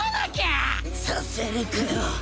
させるかよ。